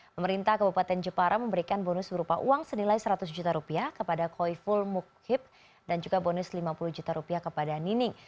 pemerintah kabupaten jepara memberikan bonus berupa uang senilai seratus juta rupiah kepada koiful mukhib dan juga bonus lima puluh juta rupiah kepada nining